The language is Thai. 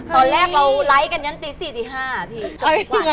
ตอนแรกเราไลฟ์กันยั้นตีสี่ตีห้าอ่ะพี่